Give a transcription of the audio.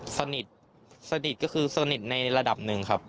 สนิทสนิทก็คือสนิทในระดับหนึ่งครับ